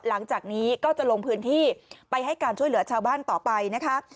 หลังจากนี้ก็จะลงพื้นที่ไปให้การช่วยเหลือชาวบ้านต่อไปนะคะ